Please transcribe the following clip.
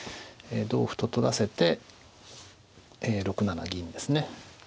同歩と取らせて６七銀ですね。